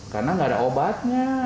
karena tidak ada obat